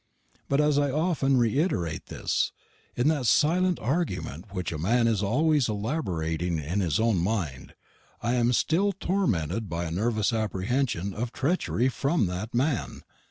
But often as I reiterate this in that silent argument which a man is always elaborating in his own mind I am still tormented by a nervous apprehension of treachery from that man.